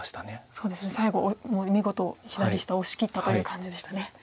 そうですね最後もう見事左下押しきったという感じでしたね。